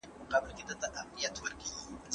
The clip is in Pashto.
زموږ هر ماشوم حق لري چې علم ترلاسه کړي.